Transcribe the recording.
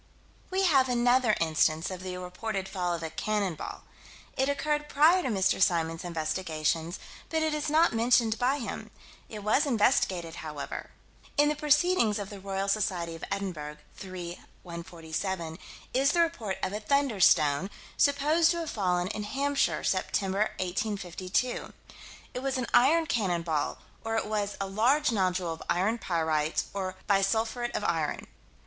We have another instance of the reported fall of a "cannon ball." It occurred prior to Mr. Symons' investigations, but is not mentioned by him. It was investigated, however. In the Proc. Roy. Soc. Edin., 3 147, is the report of a "thunderstone," "supposed to have fallen in Hampshire, Sept., 1852." It was an iron cannon ball, or it was a "large nodule of iron pyrites or bisulphuret of iron."